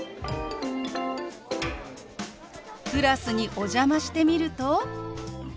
クラスにお邪魔してみると。